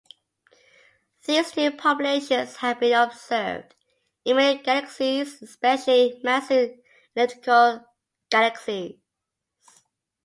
These two populations have been observed in many galaxies, especially massive elliptical galaxies.